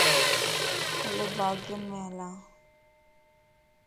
ھلو باغ ءَ مَ ھلان